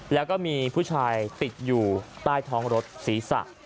แล้วก็มีผู้ชายติดอยู่ใต้ท้องรถศีรษะ